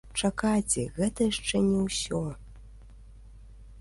Чакайце, гэта яшчэ не ўсё.